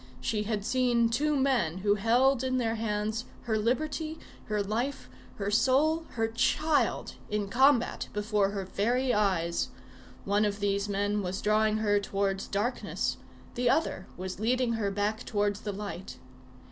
She had seen two men who held in their hands her liberty, her life, her soul, her child, in combat before her very eyes; one of these men was drawing her towards darkness, the other was leading her back towards the light.